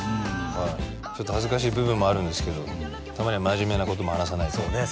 はいちょっと恥ずかしい部分もあるんですけどたまには真面目なことも話さないとそうね